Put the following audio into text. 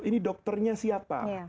ini dokternya siapa